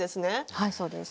はいそうです。